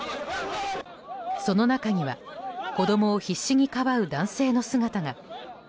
その中には子供を必死にかばう男性の姿が。